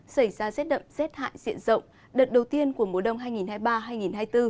xảy ra rét đậm rét hại diện rộng đợt đầu tiên của mùa đông hai nghìn hai mươi ba hai nghìn hai mươi bốn